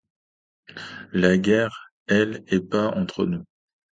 La guerre elle est pas entre vous.